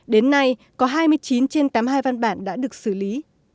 đến nay có hai mươi chín trên tám mươi hai văn bản đã được xử lý